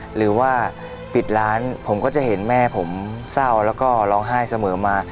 หรือว่าปิดร้านผมก็จะเห็นแม่ผมเศร้าแล้วก็ร้องไห้เสมอมา